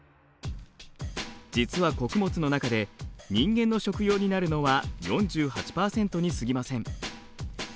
実は穀物の中で人間の食用になるのは４８％にすぎません。